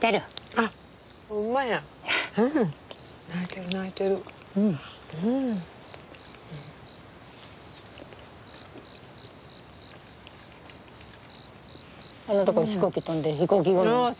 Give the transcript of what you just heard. あんなとこ飛行機飛んで飛行機雲見えてる。